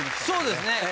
そうですね。